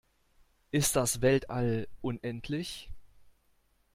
Ist das Weltall unendlich?